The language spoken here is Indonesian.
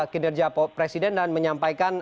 kinerja presiden dan menyampaikan